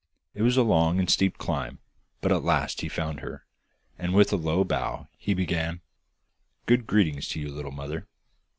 It was a long and steep climb, but at last he found her, and with a low bow he began: 'Good greeting to you, little mother!